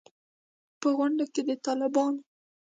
په غونډه کې د طالبانو